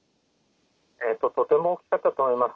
とても大きかったと思います。